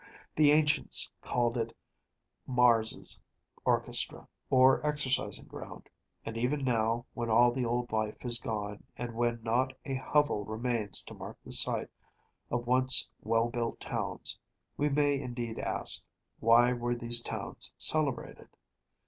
The ancients called it Mars’s Orchestra, or exercising ground; and even now, when all the old life is gone, and when not a hovel remains to mark the site of once well built towns, we may indeed ask, why were these towns celebrated?